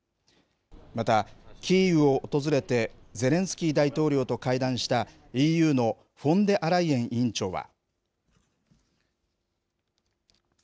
また、キーウを訪れて、ゼレンスキー大統領と会談したＥＵのフォンデアライエン委員長は。